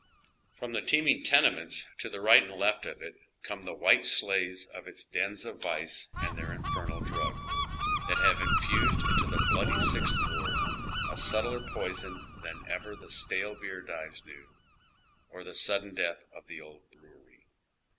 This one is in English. From the teeming tenements to the right and left of it come the white slaves of its dens of vice and their infernal drug, that have infused into the "Bloody Sixth" "Ward a subtler poison than ever the stale beer dives knew, or the " sudden death " of the Old Brewery.